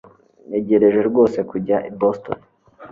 Ntegereje rwose kujya i Boston